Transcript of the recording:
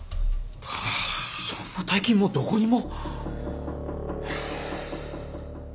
そんな大金もうどこにも。